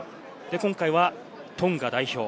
今回はトンガ代表。